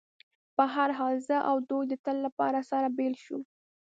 په هر حال، زه او دوی د تل لپاره سره بېل شو.